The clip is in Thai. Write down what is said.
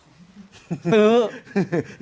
ซื้อ